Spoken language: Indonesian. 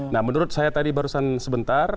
nah menurut saya tadi barusan sebentar